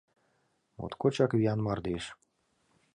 — Моткочак виян мардеж.